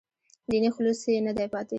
دیني خلوص یې نه دی پاتې.